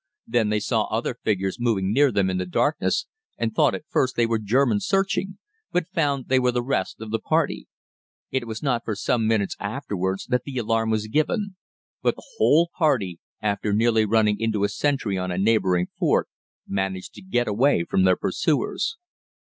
Then they saw other figures moving near them in the darkness and thought at first they were Germans searching, but found they were the rest of the party. It was not for some minutes afterwards that the alarm was given; but the whole party, after nearly running into a sentry on a neighboring fort, managed to get away from their pursuers.